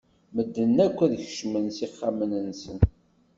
Medden akk ad kecmen s ixxamen-nsen.